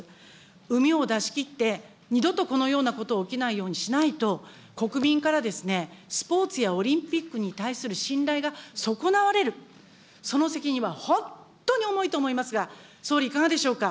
うみを出し切って、二度とこのようなことが起きないようにしないと、国民からですね、スポーツやオリンピックに対する信頼が損なわれる、その責任は本当に重いと思いますが、総理、いかがでしょうか。